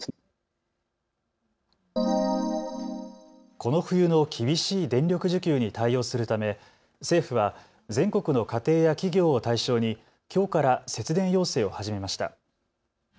この冬の厳しい電力需給に対応するため政府は全国の家庭や企業を対象にきょうから節電要請を始めました。